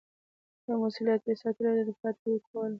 دا مسووليت یې ساتلو او دفاع یې ترې کوله.